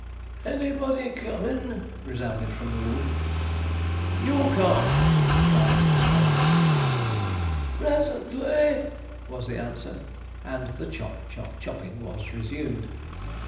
'Anybody comin'?' resounded from the wood. 'You come,' replied Mr. Sponge. 'Presently,' was the answer; and the chop, chop, chopping was resumed.